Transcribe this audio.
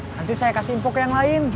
nanti saya kasih info ke yang lain